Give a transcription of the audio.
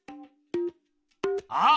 あっ！